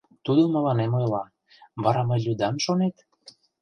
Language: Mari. Тудо мыланем ойла: «Вара мый лӱдам, шонет?